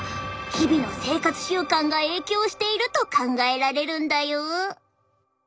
日々の生活習慣が影響していると考えられるんだよ。